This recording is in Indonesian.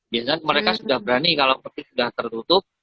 biasanya mereka sudah berani kalau petir sudah tertutup